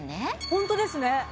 本当ですね